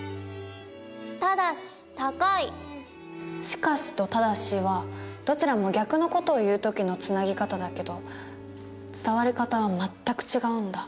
「しかし」と「ただし」はどちらも逆の事を言う時のつなぎ方だけど伝わり方は全く違うんだ。